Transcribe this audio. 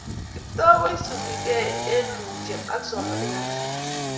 Kiptoo ko isubi gei eng mutio ak somanik alak